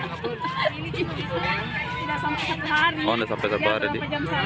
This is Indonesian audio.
tidak sampai satu hari